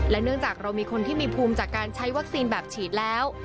เนื่องจากเรามีคนที่มีภูมิจากการใช้วัคซีนแบบฉีดแล้ว